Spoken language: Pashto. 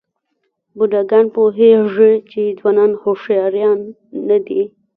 بوډاګان پوهېږي چې ځوانان هوښیاران نه دي.